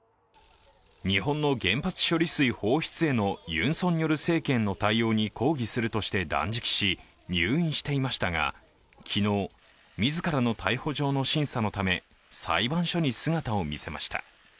日本の原発処理水放出へのユン・ソンニョル政権の対応に抗議するとして断食し、入院していましたが昨日、自らの逮捕状の審査のため裁判所に姿を見せました。